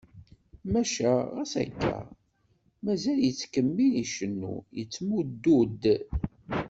Maca ɣas akka, mazal yettkemmil icennu, yettmuddu-d.